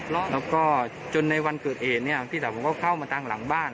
แล้วก็จนในวันเกิดเหตุเนี่ยพี่สาวผมก็เข้ามาทางหลังบ้าน